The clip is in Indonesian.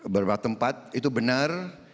berapa tempat itu benar